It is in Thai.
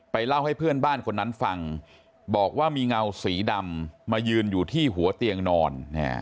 เล่าให้เพื่อนบ้านคนนั้นฟังบอกว่ามีเงาสีดำมายืนอยู่ที่หัวเตียงนอน